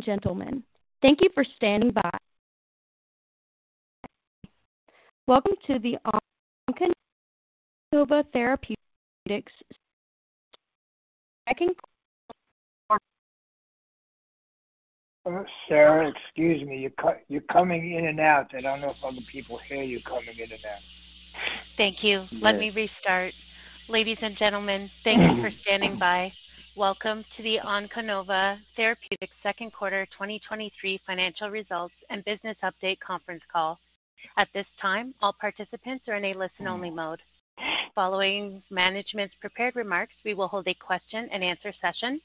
Ladies and gentlemen, thank you for standing by. Welcome to the Onconova Therapeutics. Sarah, excuse me, you're coming in and out. I don't know if other people hear you coming in and out. Thank you. Let me restart. Ladies and gentlemen, thank you for standing by. Welcome to the Onconova Therapeutics second quarter 2023 financial results and business update conference call. At this time, all participants are in a listen-only mode. Following management's prepared remarks, we will hold a question-and-answer session.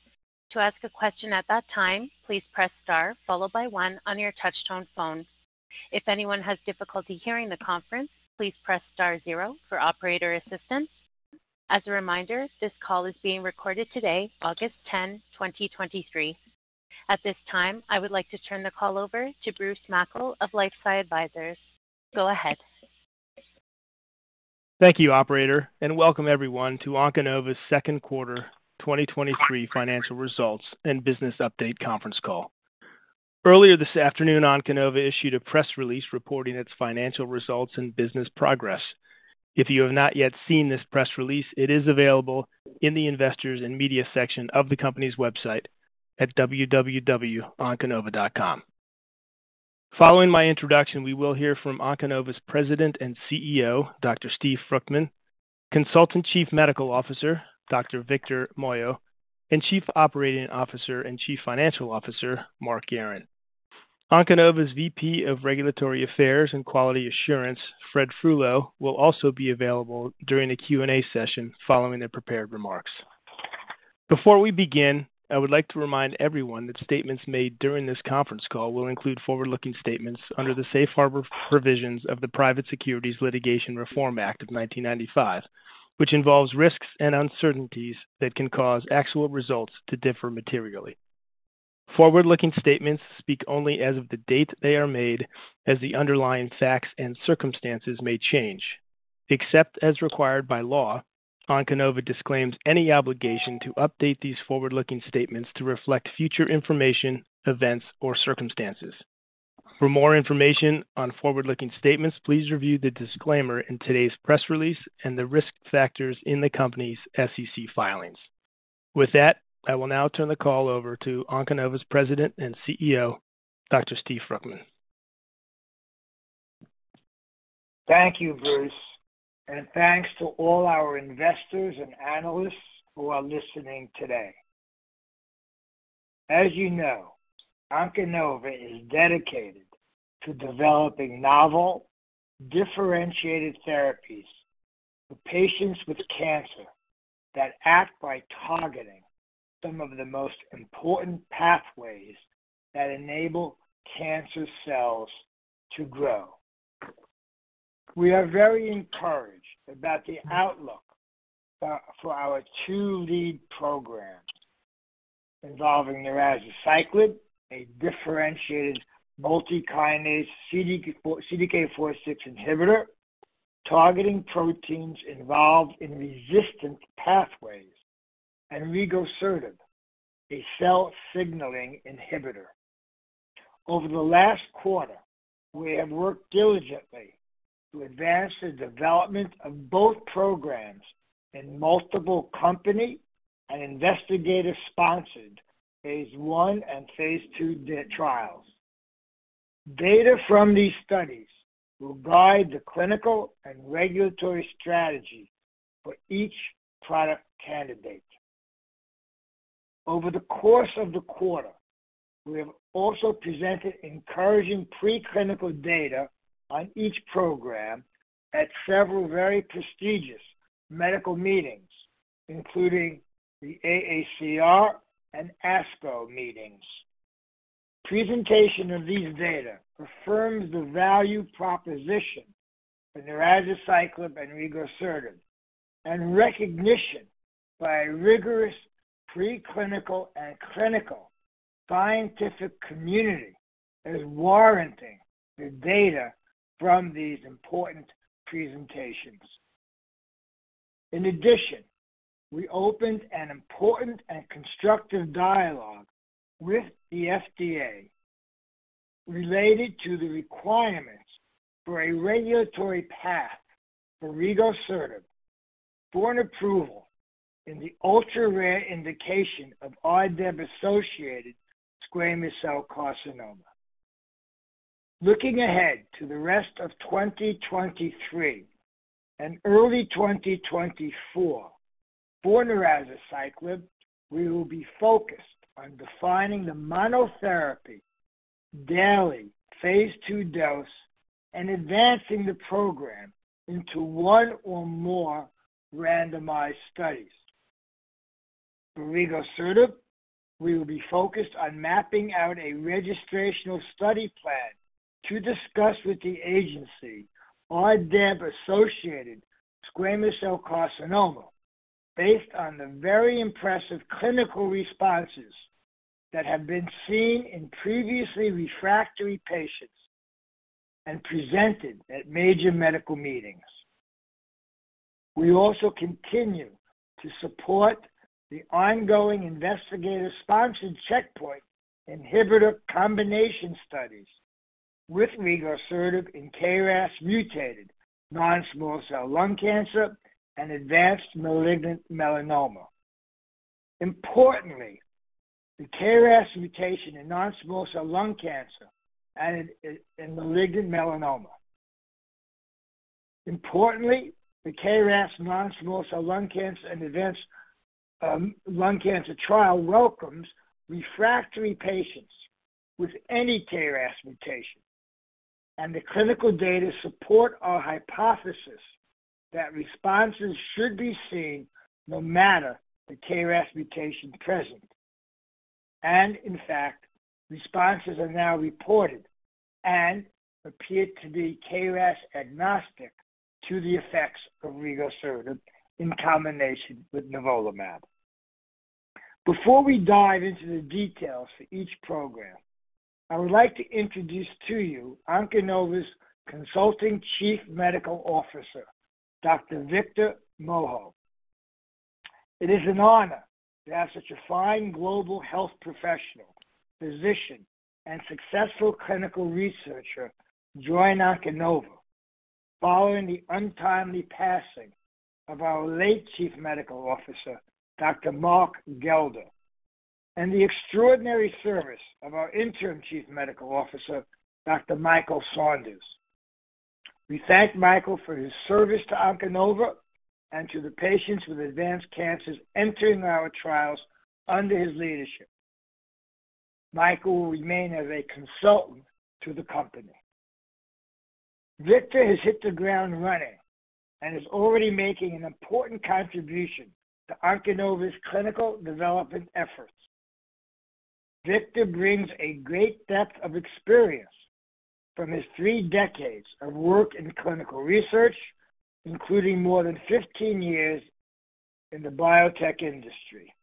To ask a question at that time, please press star followed by one on your touchtone phone. If anyone has difficulty hearing the conference, please press star zero for operator assistance. As a reminder, this call is being recorded today, August 10, 2023. At this time, I would like to turn the call over to Bruce Mackle of LifeSci Advisors. Go ahead. Thank you, operator, welcome everyone to Onconova's second quarter 2023 financial results and business update conference call. Earlier this afternoon, Onconova issued a press release reporting its financial results and business progress. If you have not yet seen this press release, it is available in the Investors and Media section of the company's website at www.onconova.com. Following my introduction, we will hear from Onconova's President and CEO, Dr. Steven Fruchtman, Consultant Chief Medical Officer, Dr. Victor Moyo, and Chief Operating Officer and Chief Financial Officer, Mark Guerin. Onconova's VP of Regulatory Affairs and Quality Assurance, David G. Friehling,, will also be available during the Q and A session following the prepared remarks. Before we begin, I would like to remind everyone that statements made during this conference call will include forward-looking statements under the safe harbor provisions of the Private Securities Litigation Reform Act of 1995, which involves risks and uncertainties that can cause actual results to differ materially. Forward-looking statements speak only as of the date they are made, as the underlying facts and circumstances may change. Except as required by law, Onconova disclaims any obligation to update these forward-looking statements to reflect future information, events, or circumstances. For more information on forward-looking statements, please review the disclaimer in today's press release and the risk factors in the company's SEC filings. With that, I will now turn the call over to Onconova's President and CEO, Dr. Steven Fruchtman. Thank you, Bruce, and thanks to all our investors and analysts who are listening today. As you know, Onconova is dedicated to developing novel, differentiated therapies for patients with cancer that act by targeting some of the most important pathways that enable cancer cells to grow. We are very encouraged about the outlook for our two lead programs involving Narazaciclib, a differentiated multikinase CDK4/6 inhibitor, targeting proteins involved in resistant pathways, and rigosertib, a cell-signaling inhibitor. Over the last quarter, we have worked diligently to advance the development of both programs in multiple company and investigator-sponsored phase I and phase II trials. Data from these studies will guide the clinical and regulatory strategy for each product candidate. Over the course of the quarter, we have also presented encouraging preclinical data on each program at several very prestigious medical meetings, including the AACR and ASCO meetings. Presentation of these data affirms the value proposition for Narazaciclib and rigosertib, and recognition by a rigorous preclinical and clinical scientific community as warranting the data from these important presentations. In addition, we opened an important and constructive dialogue with the FDA related to the requirements for a regulatory path for rigosertib for an approval in the ultra-rare indication of RDEB-associated squamous cell carcinoma. Looking ahead to the rest of 2023 and early 2024, for Narazaciclib, we will be focused on defining the monotherapy daily phase II dose and advancing the program into one or more randomized studies. For rigosertib, we will be focused on mapping out a registrational study plan to discuss with the agency RDEB-associated squamous cell carcinoma, based on the very impressive clinical responses that have been seen in previously refractory patients and presented at major medical meetings. We also continue to support the ongoing investigator-sponsored checkpoint inhibitor combination studies with rigosertib in KRAS mutated non-small cell lung cancer and advanced malignant melanoma. Importantly, the KRAS mutation in non-small cell lung cancer and in malignant melanoma. Importantly, the KRAS non-small cell lung cancer and advanced lung cancer trial welcomes refractory patients with any KRAS mutation, and the clinical data support our hypothesis that responses should be seen no matter the KRAS mutation present. In fact, responses are now reported and appear to be KRAS agnostic to the effects of rigosertib in combination with nivolumab. Before we dive into the details for each program, I would like to introduce to you Onconova's Consulting Chief Medical Officer, Dr. Victor Moyo. It is an honor to have such a fine global health professional, physician, and successful clinical researcher join Onconova following the untimely passing of our late Chief Medical Officer, Dr. Mark Gelder, and the extraordinary service of our Interim Chief Medical Officer, Dr. Michael Saunders. We thank Michael for his service to Onconova and to the patients with advanced cancers entering our trials under his leadership. Michael will remain as a consultant to the company. Victor has hit the ground running and is already making an important contribution to Onconova's clinical development efforts. Victor brings a great depth of experience from his three decades of work in clinical research, including more than 15 years in the biotech industry.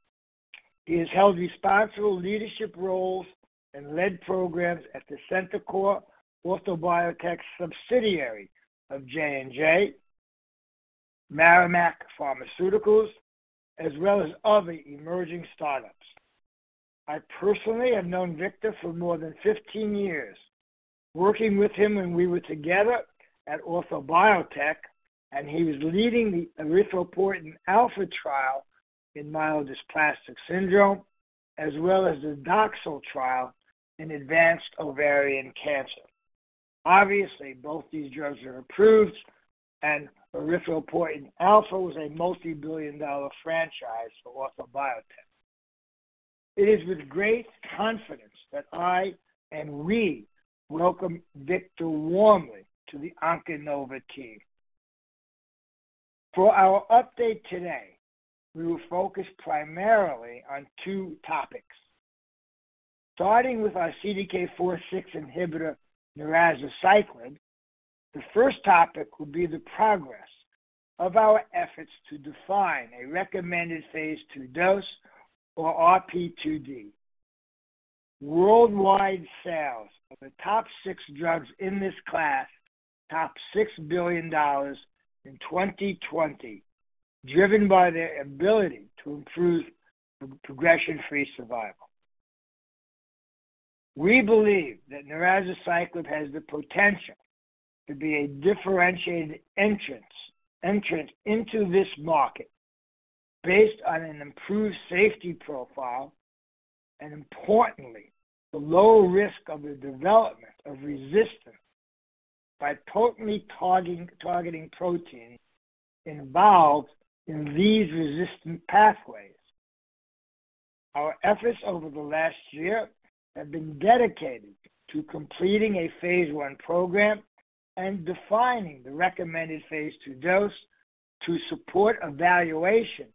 He has held responsible leadership roles and led programs at the Centocor Ortho Biotech subsidiary of J&J, Merrimack Pharmaceuticals, as well as other emerging startups. I personally have known Victor for more than 15 years, working with him when we were together at Ortho Biotech, and he was leading the Epoetin alfa trial in myelodysplastic syndrome, as well as the Doxil trial in advanced ovarian cancer. Obviously, both these drugs are approved, and Epoetin alfa was a multi-billion-dollar franchise for Ortho Biotech. It is with great confidence that I and we welcome Victor warmly to the Onconova team. For our update today, we will focus primarily on two topics. Starting with our CDK4/6 inhibitor, Narazaciclib, the first topic will be the progress of our efforts to define a recommended phase II dose or RP2D. Worldwide sales of the top six drugs in this class topped $6 billion in 2020, driven by their ability to improve progression-free survival. We believe that Narazaciclib has the potential to be a differentiated entrant into this market based on an improved safety profile and importantly, the low risk of the development of resistance by potently targeting proteins involved in these resistant pathways. Our efforts over the last year have been dedicated to completing a phase I program and defining the recommended phase II dose to support evaluation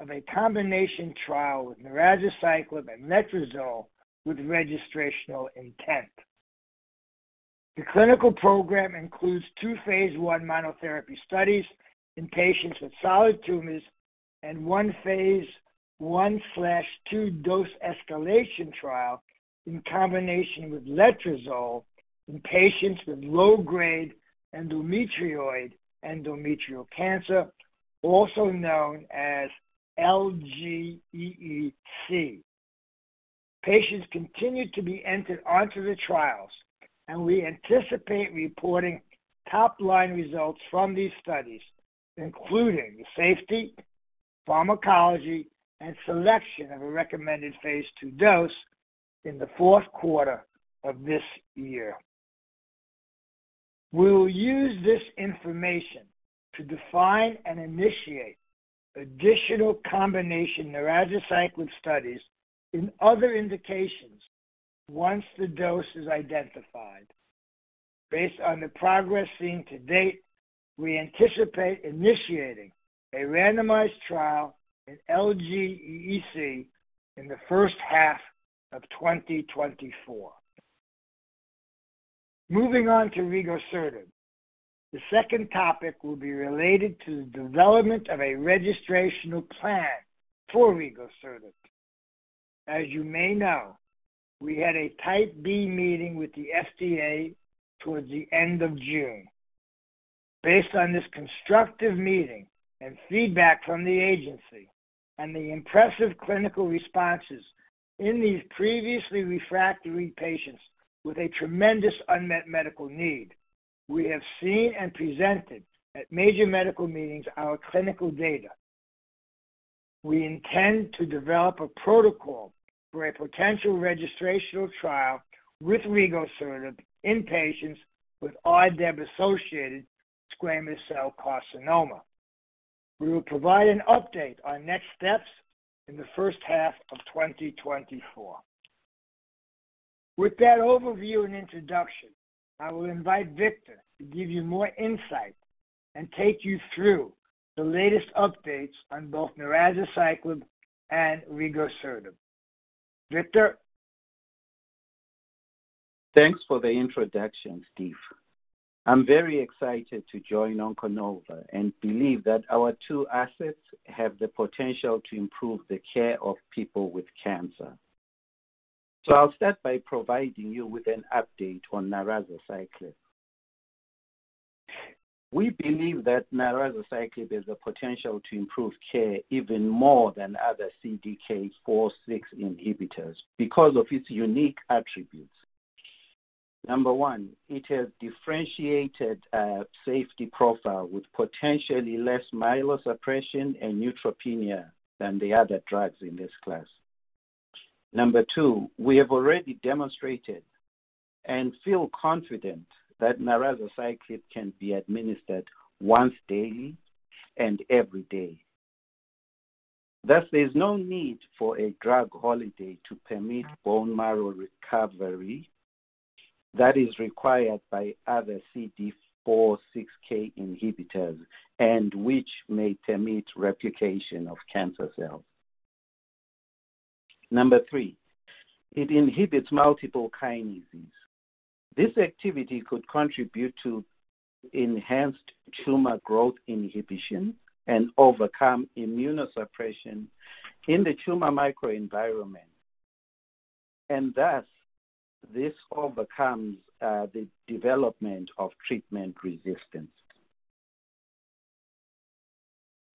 of a combination trial with Narazaciclib and letrozole with registrational intent. The clinical program includes two phase I monotherapy studies in patients with solid tumors and one phase I/II dose escalation trial in combination with letrozole in patients with low-grade endometrioid endometrial cancer, also known as LGEC. Patients continue to be entered onto the trials, and we anticipate reporting top-line results from these studies, including the safety, pharmacology, and selection of a recommended phase II dose in the 4th quarter of this year. We will use this information to define and initiate additional combination Narazaciclib studies in other indications once the dose is identified. Based on the progress seen to date, we anticipate initiating a randomized trial in LGEC in the first half of 2024. Moving on to rigosertib. The second topic will be related to the development of a registrational plan for rigosertib. As you may know, we had a Type B meeting with the FDA towards the end of June. Based on this constructive meeting and feedback from the agency, and the impressive clinical responses in these previously refractory patients with a tremendous unmet medical need, we have seen and presented at major medical meetings our clinical data. We intend to develop a protocol for a potential registrational trial with rigosertib in patients with RDEB-associated squamous cell carcinoma. We will provide an update on next steps in the first half of 2024. With that overview and introduction, I will invite Victor to give you more insight and take you through the latest updates on both ] and rigosertib. Victor? Thanks for the introduction, Steve. I'm very excited to join Onconova and believe that our two assets have the potential to improve the care of people with cancer. I'll start by providing you with an update on Narazaciclib. We believe that Narazaciclib has the potential to improve care even more than other CDK4/6 inhibitors because of its unique attributes. Number one, it has differentiated safety profile with potentially less myelosuppression and neutropenia than the other drugs in this class. Number two, we have already demonstrated and feel confident that Narazaciclib can be administered once daily and every day. There's no need for a drug holiday to permit bone marrow recovery that is required by other CDK4/6 inhibitors, and which may permit replication of cancer cells. Number three, it inhibits multiple kinases. This activity could contribute to enhanced tumor growth inhibition and overcome immunosuppression in the tumor microenvironment, and thus, this overcomes the development of treatment resistance.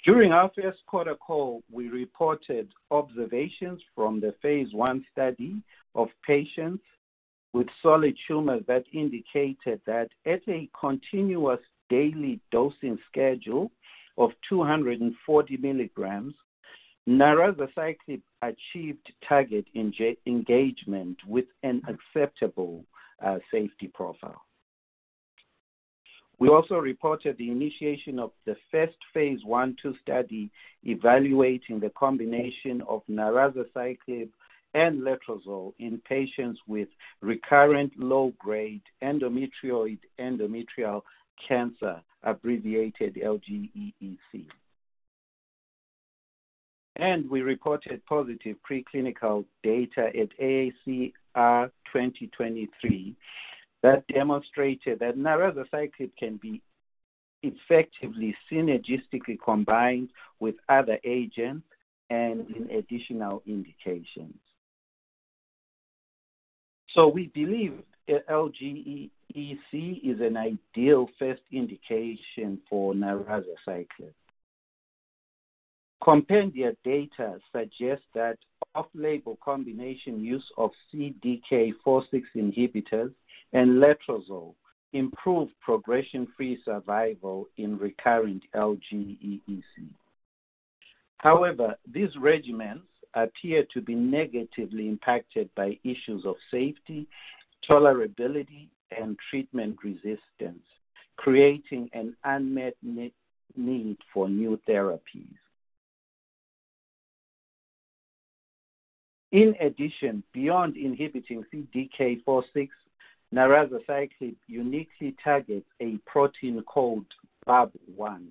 During our first quarter call, we reported observations from the phase I study of patients with solid tumors that indicated that at a continuous daily dosing schedule of 240 milligrams, Narazaciclib achieved target engagement with an acceptable safety profile. We also reported the initiation of the first phase I/II study, evaluating the combination of Narazaciclib and letrozole in patients with recurrent low-grade endometrioid endometrial cancer, abbreviated LGEC. We reported positive preclinical data at AACR 2023 that demonstrated that Narazaciclib can be effectively synergistically combined with other agents and in additional indications. We believe that LGEC is an ideal first indication for Narazaciclib. Compendia data suggest that off-label combination use of CDK4/6 inhibitors and letrozole improve progression-free survival in recurrent LGEC. However, these regimens appear to be negatively impacted by issues of safety, tolerability, and treatment resistance, creating an unmet need for new therapies. In addition, beyond inhibiting CDK4/6, Narazaciclib uniquely targets a protein called BAP1.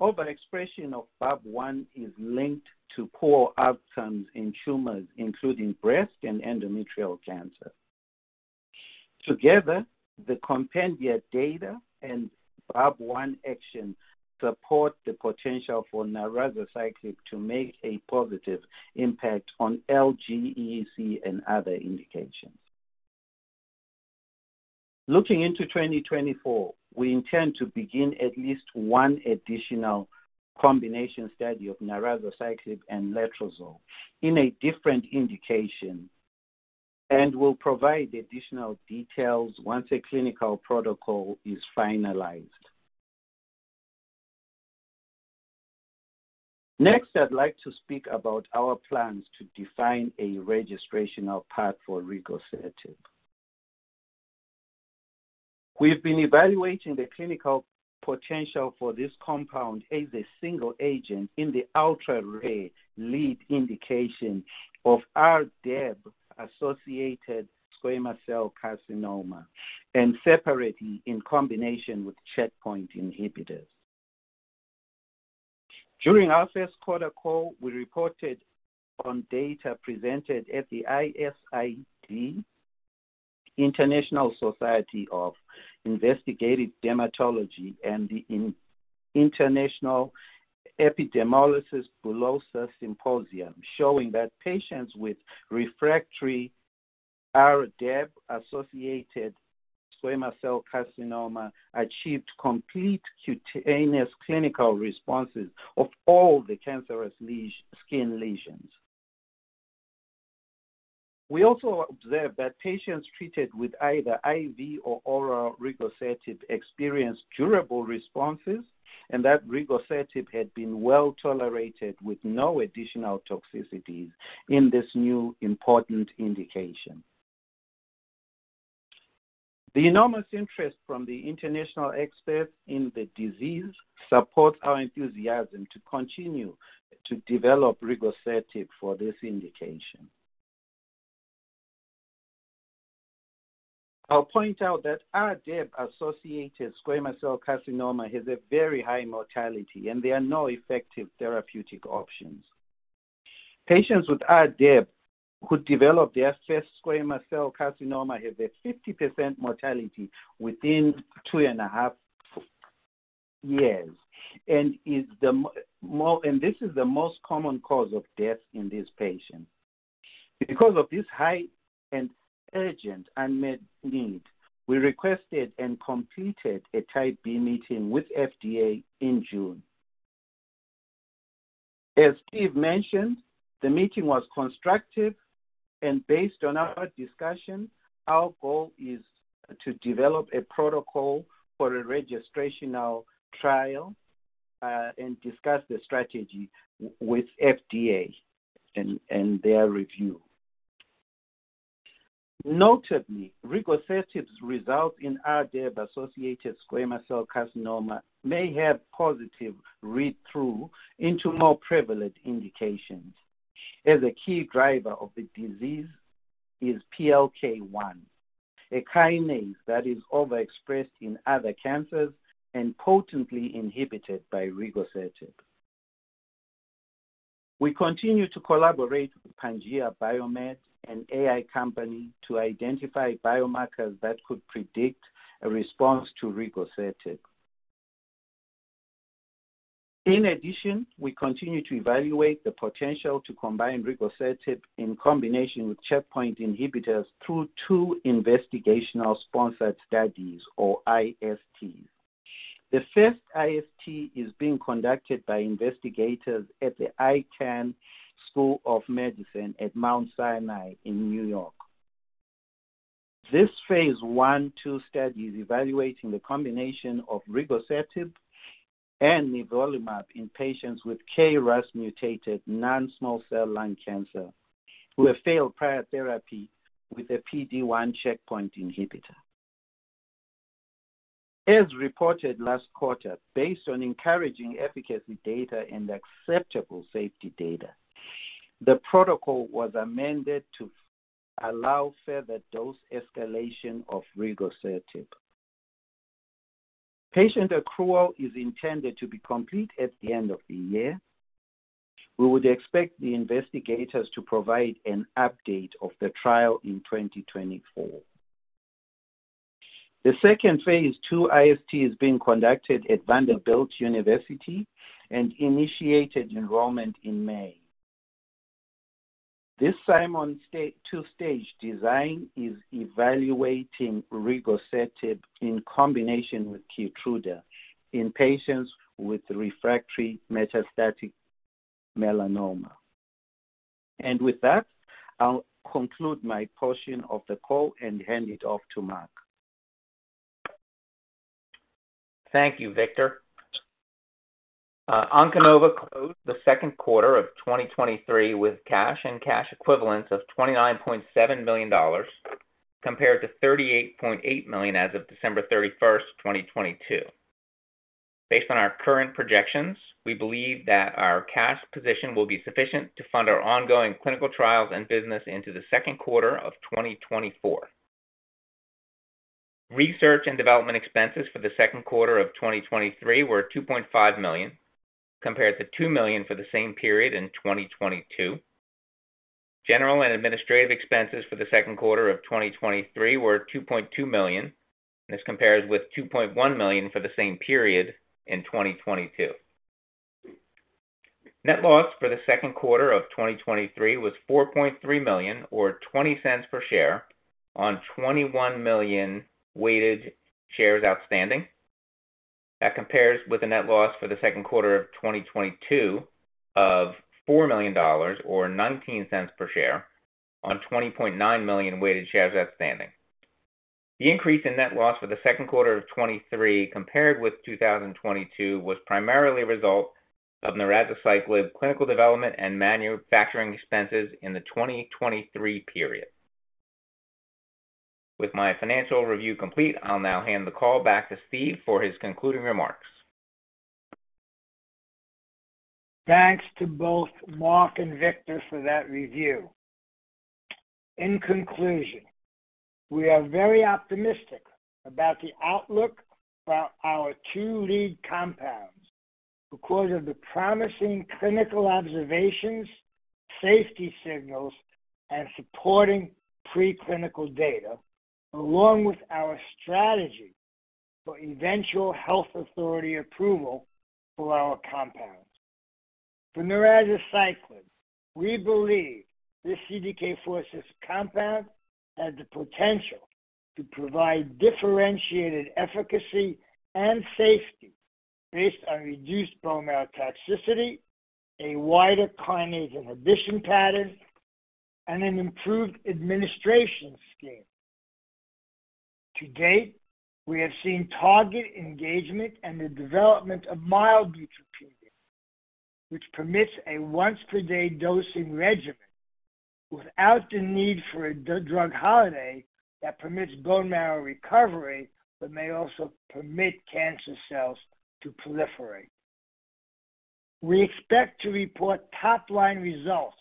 Overexpression of BAP1 is linked to poor outcomes in tumors, including breast and endometrial cancer. Together, the compendia data and BAP1 action support the potential for Narazaciclib to make a positive impact on LGEC and other indications. Looking into 2024, we intend to begin at least one additional combination study of Narazaciclib and letrozole in a different indication, and we'll provide additional details once a clinical protocol is finalized. Next, I'd like to speak about our plans to define a registrational path for rigosertib. We've been evaluating the clinical potential for this compound as a single agent in the ultra-rare lead indication of RDEB-associated squamous cell carcinoma, and separately in combination with checkpoint inhibitors. During our first quarter call, we reported on data presented at the International Societies for Investigative Dermatology and the International Epidermolysis Bullosa Symposium, showing that patients with refractory RDEB-associated squamous cell carcinoma achieved complete cutaneous clinical responses of all the cancerous skin lesions. We also observed that patients treated with either IV or oral rigosertib experienced durable responses, and that rigosertib had been well-tolerated with no additional toxicities in this new important indication. The enormous interest from the international experts in the disease supports our enthusiasm to continue to develop rigosertib for this indication. I'll point out that RDEB-associated squamous cell carcinoma has a very high mortality, and there are no effective therapeutic options. Patients with RDEB who develop their first squamous cell carcinoma have a 50% mortality within 2.5 years, and this is the most common cause of death in these patients. Because of this high and urgent unmet need, we requested and completed a Type B meeting with FDA in June. As Steve mentioned, the meeting was constructive, and based on our discussion, our goal is to develop a protocol for a registrational trial, and discuss the strategy with FDA and their review. Notably, rigosertib's results in RDEB-associated squamous cell carcinoma may have positive read-through into more prevalent indications, as a key driver of the disease is PLK1, a kinase that is overexpressed in other cancers and potently inhibited by rigosertib. We continue to collaborate with Panacea BioMed, an AI company, to identify biomarkers that could predict a response to rigosertib. In addition, we continue to evaluate the potential to combine rigosertib in combination with checkpoint inhibitors through two investigational-sponsored studies, or ISTs. The first IST is being conducted by investigators at the Icahn School of Medicine at Mount Sinai in New York. This phase I/II study is evaluating the combination of rigosertib and nivolumab in patients with KRAS-mutated non-small cell lung cancer who have failed prior therapy with a PD-1 checkpoint inhibitor. As reported last quarter, based on encouraging efficacy data and acceptable safety data, the protocol was amended to allow further dose escalation of rigosertib. Patient accrual is intended to be complete at the end of the year. We would expect the investigators to provide an update of the trial in 2024. The second phase II IST is being conducted at Vanderbilt University initiated enrollment in May. This Simon's two-stage design is evaluating rigosertib in combination with Keytruda in patients with refractory metastatic melanoma. With that, I'll conclude my portion of the call and hand it off to Mark. Thank you, Victor. Onconova closed the second quarter of 2023 with cash and cash equivalents of $29.7 million, compared to $38.8 million as of December 31st, 2022. Based on our current projections, we believe that our cash position will be sufficient to fund our ongoing clinical trials and business into the second quarter of 2024. Research and development expenses for the second quarter of 2023 were $2.5 million, compared to $2 million for the same period in 2022. General and administrative expenses for the second quarter of 2023 were $2.2 million, this compares with $2.1 million for the same period in 2022. Net loss for the second quarter of 2023 was $4.3 million, or $0.20 per share, on 21 million weighted shares outstanding. That compares with a net loss for the second quarter of 2022 of $4 million, or $0.19 per share, on 20.9 million weighted shares outstanding. The increase in net loss for the second quarter of 2023 compared with 2022 was primarily a result of Narazaciclib clinical development and manufacturing expenses in the 2023 period. With my financial review complete, I'll now hand the call back to Steve for his concluding remarks. Thanks to both Mark and Victor for that review. In conclusion, we are very optimistic about the outlook for our two lead compounds because of the promising clinical observations, safety signals, and supporting preclinical data, along with our strategy for eventual health authority approval for our compounds. For Narazaciclib, we believe this CDK4 compound has the potential to provide differentiated efficacy and safety based on reduced bone marrow toxicity, a wider kinase inhibition pattern, and an improved administration scheme. To date, we have seen target engagement and the development of mild neutropenia, which permits a once-per-day dosing regimen without the need for a drug holiday that permits bone marrow recovery, but may also permit cancer cells to proliferate. We expect to report top-line results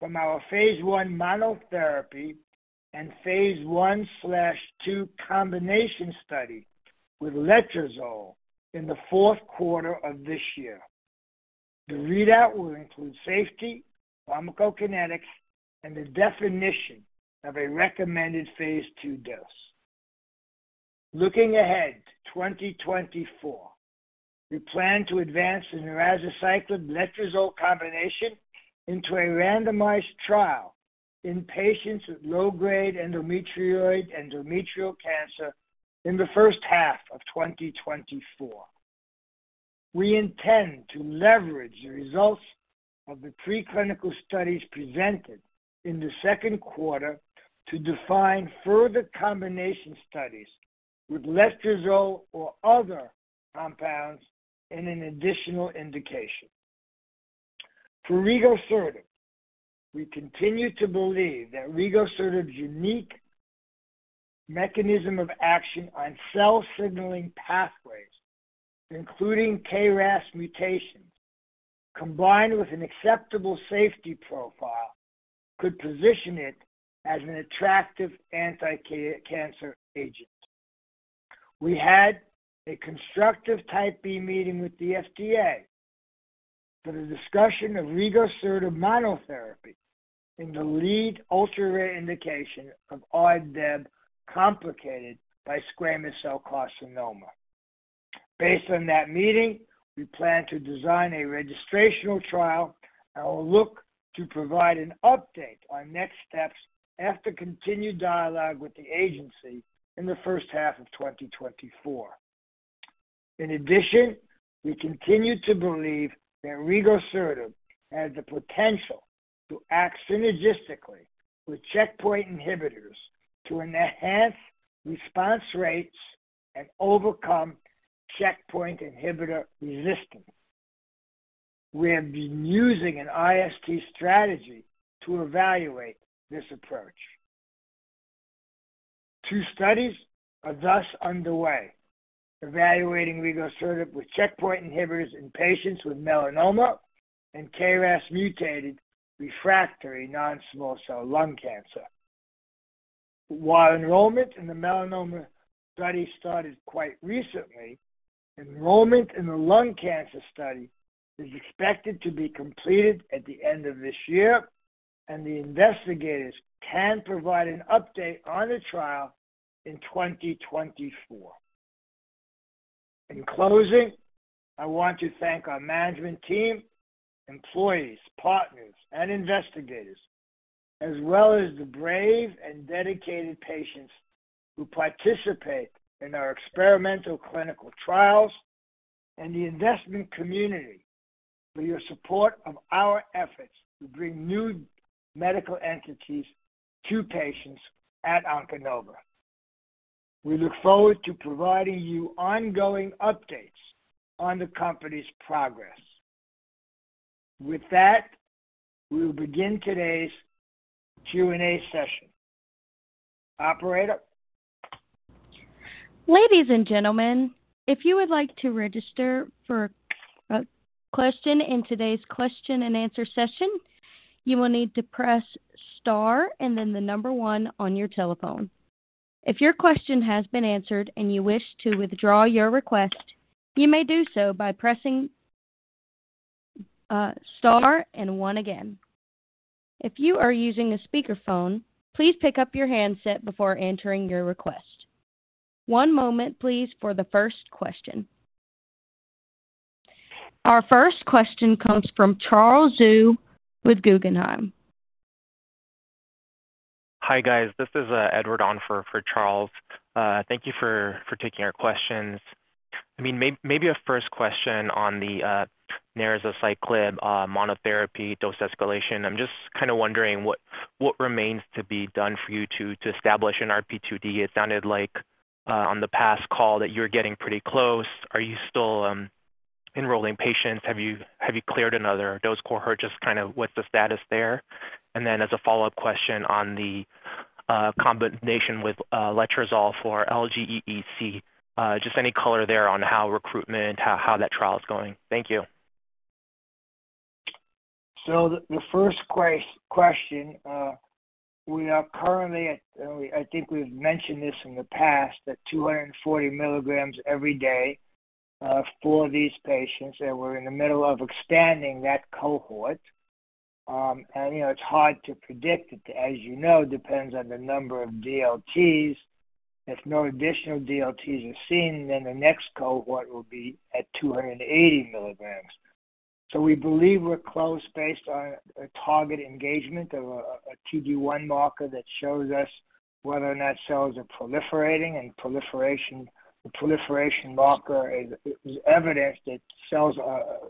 from our phase I monotherapy and phase I/II combination study with letrozole in the 4th quarter of this year. The readout will include safety, pharmacokinetics, and the definition of a recommended phase II dose. Looking ahead to 2024, we plan to advance the Narazaciclib-letrozole combination into a randomized trial in patients with low-grade endometrioid endometrial cancer in the first half of 2024. We intend to leverage the results of the preclinical studies presented in the second quarter to define further combination studies with letrozole or other compounds in an additional indication. For rigosertib, we continue to believe that rigosertib's unique mechanism of action on cell-signaling pathways, including KRAS mutations, combined with an acceptable safety profile, could position it as an attractive anticancer agent. We had a constructive Type B meeting with the FDA for the discussion of rigosertib monotherapy in the lead ultra-rare indication of RDEB, complicated by squamous cell carcinoma. Based on that meeting, we plan to design a registrational trial and will look to provide an update on next steps after continued dialogue with the agency in the first half of 2024. We continue to believe that rigosertib has the potential to act synergistically with checkpoint inhibitors to enhance response rates and overcome checkpoint inhibitor resistance. We have been using an IST strategy to evaluate this approach. Two studies are thus underway, evaluating rigosertib with checkpoint inhibitors in patients with melanoma and KRAS-mutated refractory non-small cell lung cancer. While enrollment in the melanoma study started quite recently, enrollment in the lung cancer study is expected to be completed at the end of this year, and the investigators can provide an update on the trial in 2024. In closing, I want to thank our management team, employees, partners, and investigators, as well as the brave and dedicated patients who participate in our experimental clinical trials and the investment community for your support of our efforts to bring new medical entities to patients at Onconova. We look forward to providing you ongoing updates on the company's progress. With that, we will begin today's Q and A session. Operator? Ladies and gentlemen, if you would like to register for a question in today's question-and-answer session, you will need to press star and then one on your telephone. If your question has been answered and you wish to withdraw your request, you may do so by pressing star and one again. If you are using a speakerphone, please pick up your handset before entering your request. One moment please for the first question. Our first question comes from Charles Zhu with Guggenheim. Hi, guys. This is Edward on for Charles. Thank you for taking our questions. I mean, maybe a first question on the Narazaciclib monotherapy dose escalation. I'm just kind of wondering what remains to be done for you to establish an RP2D? It sounded like on the past call that you're getting pretty close. Are you still enrolling patients? Have you cleared another dose cohort? Just kind of what's the status there? Then as a follow-up question on the combination with letrozole for LGEC. Just any color there on how recruitment, how that trial is going? Thank you. The first question, we are currently at, I think we've mentioned this in the past, that 240 milligrams every day for these patients, and we're in the middle of expanding that cohort. You know, it's hard to predict. As you know, depends on the number of DLTs. If no additional DLTs are seen, then the next cohort will be at 280 milligrams. We believe we're close, based on a target engagement of a PD marker that shows us whether or not cells are proliferating. Proliferation, the proliferation marker is evidence that cells are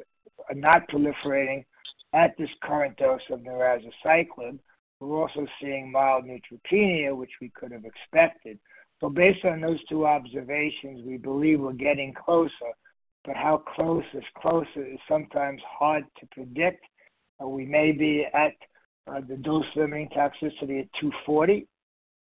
not proliferating at this current dose of Narazaciclib. We're also seeing mild neutropenia, which we could have expected. Based on those two observations, we believe we're getting closer. How close is close is sometimes hard to predict. We may be at the dose-limiting toxicity at 240,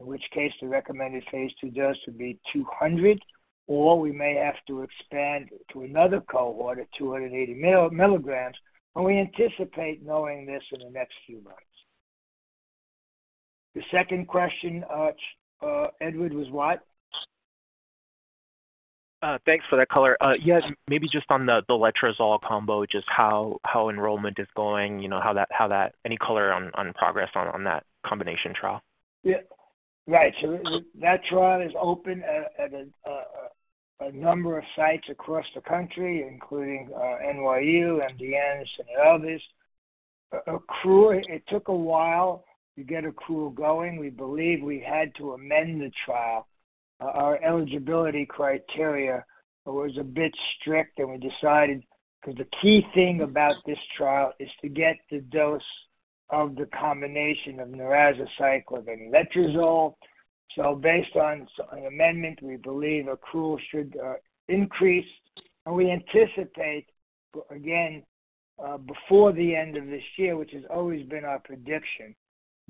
in which case the recommended phase II dose would be 200, or we may have to expand to another cohort at 280 milligrams, and we anticipate knowing this in the next few months. The second question, Edward, was what? Thanks for that color. Yes, maybe just on the, the letrozole combo, just how enrollment is going, you know, any color on progress on that combination trial? Right. That trial is open at a number of sites across the country, including NYU, MD Anderson, and others. Accrual, it took a while to get accrual going. We believe we had to amend the trial. Our eligibility criteria was a bit strict, and we decided, 'cause the key thing about this trial is to get the dose of the combination of Narazaciclib and letrozole. Based on an amendment, we believe accrual should increase, and we anticipate, again, before the end of this year, which has always been our prediction,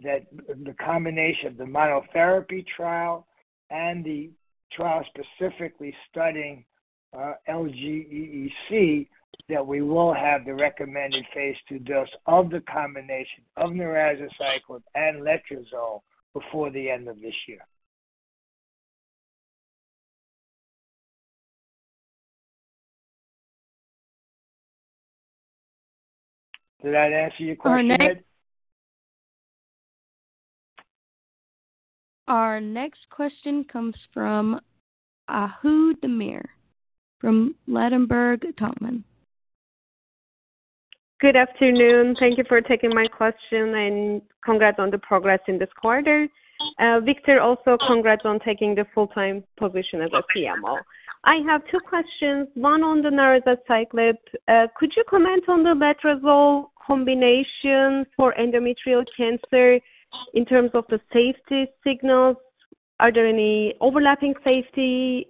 that the combination of the monotherapy trial and the trial specifically studying LGEC, that we will have the recommended phase II dose of the combination of Narazaciclib and letrozole before the end of this year. Did that answer your question, Edward? Our next question comes from Ahu Demir from Ladenburg Thalmann. Good afternoon. Thank you for taking my question, and congrats on the progress in this quarter. Victor, also congrats on taking the full-time position as a CMO. I have two questions, one on the Narazaciclib. Could you comment on the letrozole combination for endometrial cancer in terms of the safety signals? Are there any overlapping safety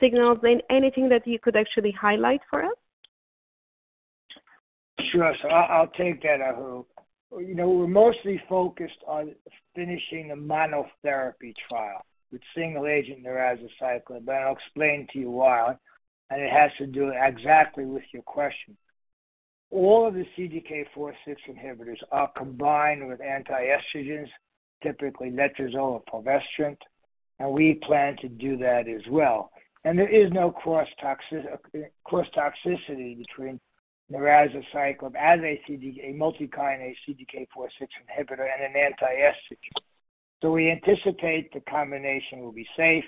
signals, and anything that you could actually highlight for us? I, I'll take that, Ahu. You know, we're mostly focused on finishing a monotherapy trial with single agent Narazaciclib, but I'll explain to you why, and it has to do exactly with your question. All of the CDK4/6 inhibitors are combined with antiestrogens, typically letrozole or fulvestrant, and we plan to do that as well. There is no cross toxic, cross toxicity between Narazaciclib as a CDK, a multikinase CDK4/6 inhibitor and an antiestrogen. We anticipate the combination will be safe,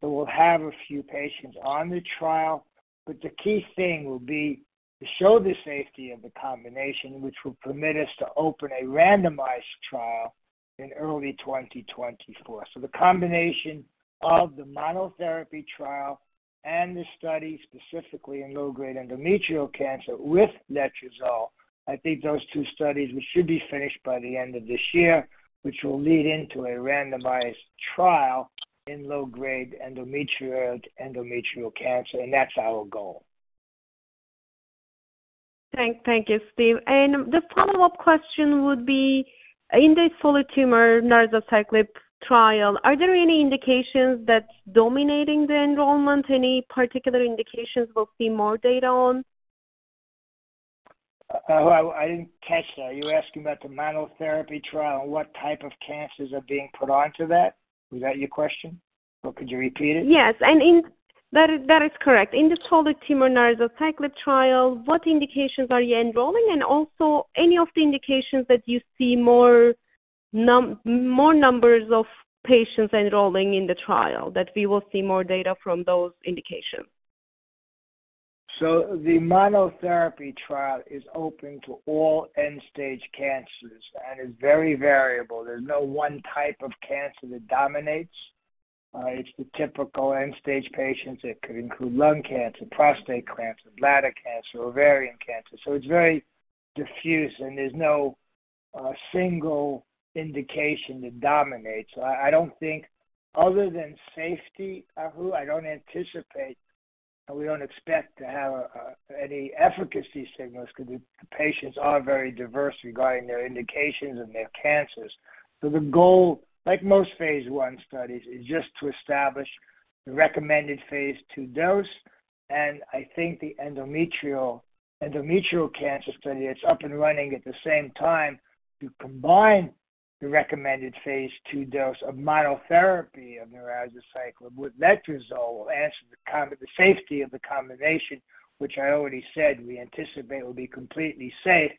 but we'll have a few patients on the trial. The key thing will be to show the safety of the combination, which will permit us to open a randomized trial in early 2024. The combination of the monotherapy trial and the study, specifically in low-grade endometrial cancer with letrozole, I think those two studies, which should be finished by the end of this year, which will lead into a randomized trial in low-grade endometrioid endometrial cancer, and that's our goal. Thank you, Steve. The follow-up question would be, in the solid tumor Narazaciclib trial, are there any indications that's dominating the enrollment? Any particular indications we'll see more data on? I didn't catch that. You're asking about the monotherapy trial, and what type of cancers are being put onto that? Is that your question, or could you repeat it? Yes, That is, that is correct. In the solid tumor Narazaciclib trial, what indications are you enrolling? Also, any of the indications that you see more numbers of patients enrolling in the trial, that we will see more data from those indications. The monotherapy trial is open to all end-stage cancers and is very variable. There's no one type of cancer that dominates. It's the typical end-stage patients. It could include lung cancer, prostate cancer, bladder cancer, ovarian cancer. It's very diffuse, and there's no single indication that dominates. I, I don't think, other than safety, Ahu, I don't anticipate, and we don't expect to have any efficacy signals because the patients are very diverse regarding their indications and their cancers. The goal, like most phase I studies, is just to establish the recommended phase II dose. I think the endometrial cancer study that's up and running at the same time, to combine the recommended phase II dose of monotherapy of Narazaciclib with letrozole will answer the safety of the combination, which I already said we anticipate will be completely safe,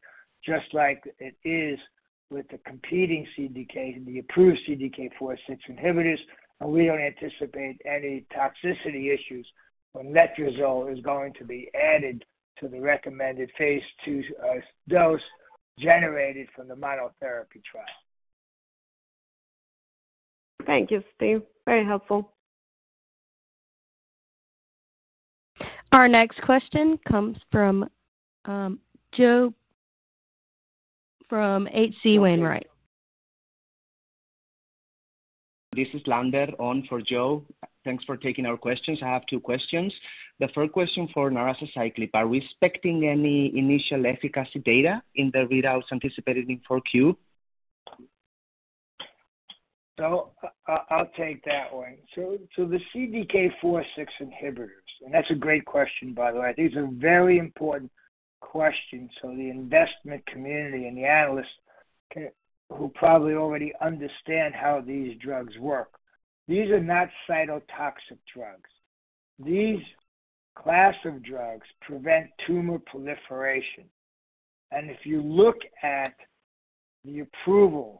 just like it is with the competing CDK, the approved CDK4/6 inhibitors. We don't anticipate any toxicity issues when letrozole is going to be added to the recommended phase II dose generated from the monotherapy trial. Thank you, Steve. Very helpful. Our next question comes from Joe from H.C. Wainwright. This is Lambert on for Joe. Thanks for taking our questions. I have two questions. The first question for Narazaciclib, are we expecting any initial efficacy data in the readouts anticipated in 4Q? I'll take that one. The CDK4/6 inhibitors, and that's a great question, by the way. These are very important questions from the investment community and the analysts who probably already understand how these drugs work. These are not cytotoxic drugs. These class of drugs prevent tumor proliferation. If you look at the approvals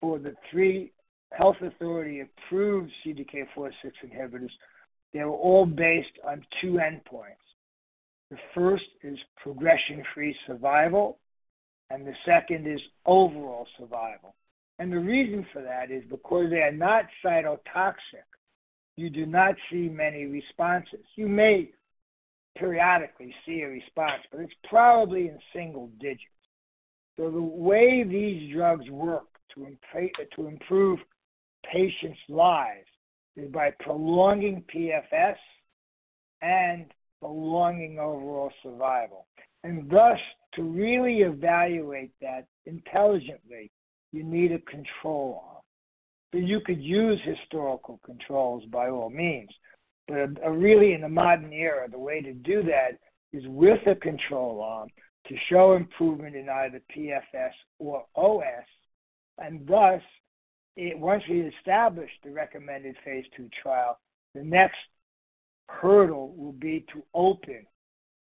for the three health authority-approved CDK4/6 inhibitors, they were all based on two endpoints. The first is progression-free survival, and the second is overall survival. The reason for that is because they are not cytotoxic, you do not see many responses. You may periodically see a response, but it's probably in single digits. The way these drugs work to improve patients' lives is by prolonging PFS and prolonging overall survival. Thus, to really evaluate that intelligently, you need a control arm. You could use historical controls, by all means, but, really, in the modern era, the way to do that is with a control arm to show improvement in either PFS or OS. Thus, once we establish the recommended phase II trial, the next hurdle will be to open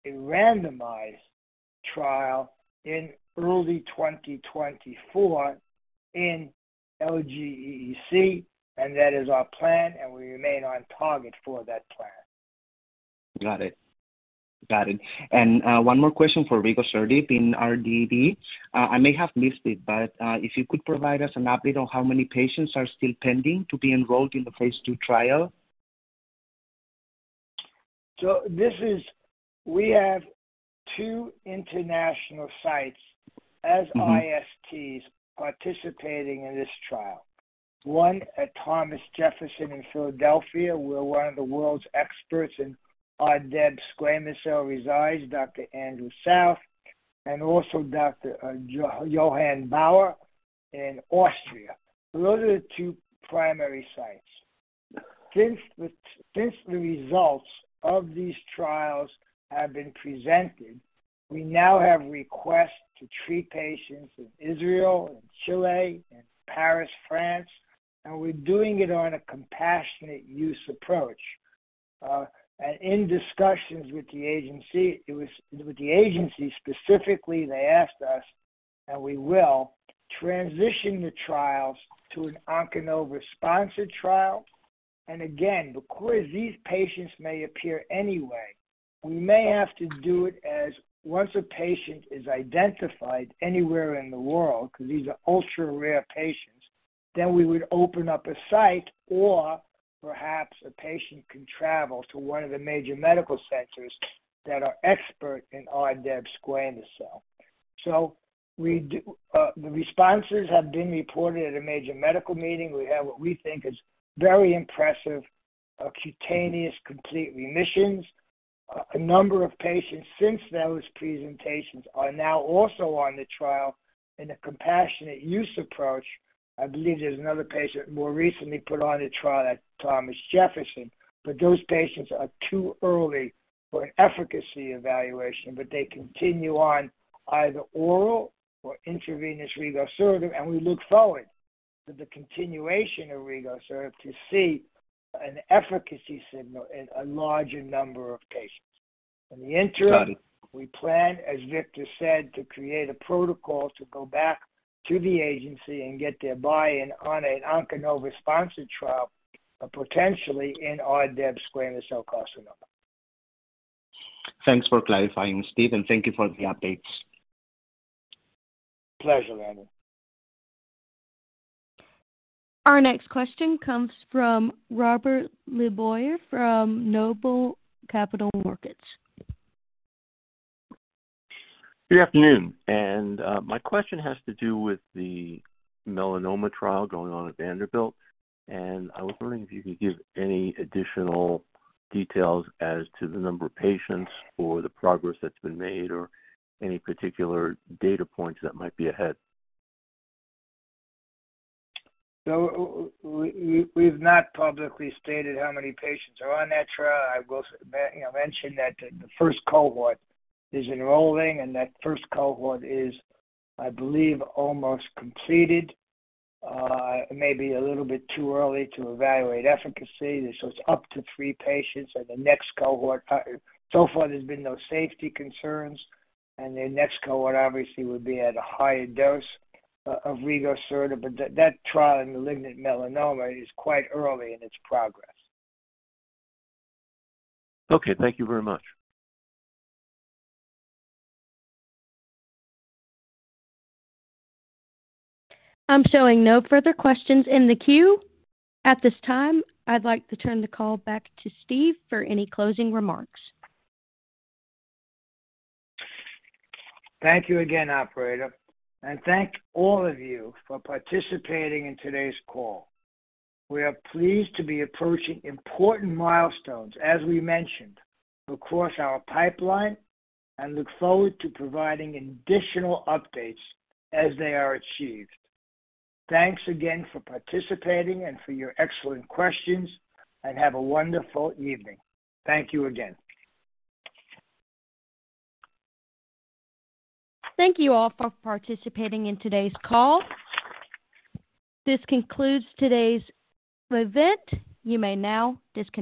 a randomized trial in early 2024 in LGEC, and that is our plan, and we remain on target for that plan. Got it. Got it. One more question for rigosertib in RDEB. I may have missed it, but, if you could provide us an update on how many patients are still pending to be enrolled in the phase two trial? We have two international sites as ISTs participating in this trial. One at Thomas Jefferson University in Philadelphia, where one of the world's experts in squamous cell resides, Dr. Andrew South, and also Dr. Johann Bauer in Austria. Those are the two primary sites. Since the results of these trials have been presented, we now have requests to treat patients in Israel and Chile and Paris, France, and we're doing it on a compassionate use approach. In discussions with the agency, specifically, they asked us, and we will, transition the trials to an Onconova-sponsored trial. Again, because these patients may appear anyway, we may have to do it as once a patient is identified anywhere in the world, because these are ultra-rare patients, then we would open up a site or perhaps a patient can travel to one of the major medical centers that are expert in adeno squamous cell. We do, the responses have been reported at a major medical meeting. We have what we think is very impressive, cutaneous complete remissions. A number of patients since those presentations are now also on the trial in a compassionate use approach. I believe there's another patient more recently put on the trial at Thomas Jefferson University, but those patients are too early for an efficacy evaluation, but they continue on either oral or intravenous rigosertib, and we look forward to the continuation of rigosertib to see an efficacy signal in a larger number of patients. Got it. In the interim, we plan, as Victor said, to create a protocol to go back to the agency and get their buy-in on an Onconova-sponsored trial, potentially in squamous cell carcinoma. Thanks for clarifying, Steve, and thank you for the updates. Pleasure, Lambert. Our next question comes from Robert LeBoyer from Noble Capital Markets. Good afternoon, and my question has to do with the melanoma trial going on at Vanderbilt. I was wondering if you could give any additional details as to the number of patients or the progress that's been made or any particular data points that might be ahead. We've, we've not publicly stated how many patients are on that trial. I will, you know, mention that the, the first cohort is enrolling, and that first cohort is, I believe, almost completed, maybe a little bit too early to evaluate efficacy. It's up to three patients in the next cohort. So far, there's been no safety concerns, and the next cohort obviously would be at a higher dose of rigosertib. That, that trial in malignant melanoma is quite early in its progress. Okay, thank you very much. I'm showing no further questions in the queue. At this time, I'd like to turn the call back to Steve for any closing remarks. Thank you again, operator, and thank all of you for participating in today's call. We are pleased to be approaching important milestones, as we mentioned, across our pipeline and look forward to providing additional updates as they are achieved. Thanks again for participating and for your excellent questions, and have a wonderful evening. Thank you again. Thank you all for participating in today's call. This concludes today's event. You may now disconnect.